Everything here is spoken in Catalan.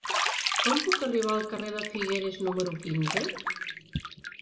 Com puc arribar al carrer de Figueres número quinze?